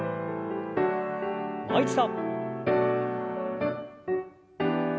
もう一度。